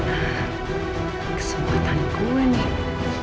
ah kesempatan gue nih